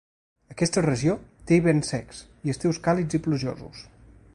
Aquesta regió té hiverns secs i estius càlids i plujosos.